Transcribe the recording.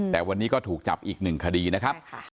แต่วันนี้ก็ถูกจับอีกหนึ่งคดีนะครับ